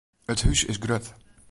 It hús is grut.